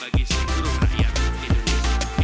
bagi suraya tenggisi